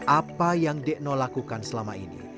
apa yang dekno lakukan selama ini